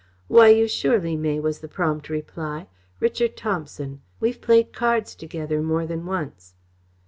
"Why, you surely may," was the prompt reply. "Richard Thomson. We've played cards together more than once."